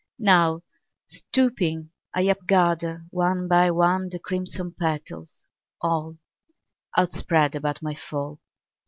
Now, stooping, I upgather, one by one, The crimson petals, all Outspread about my fall.